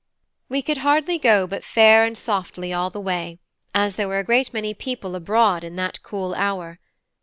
We could hardly go but fair and softly all the way, as there were a great many people abroad in that cool hour.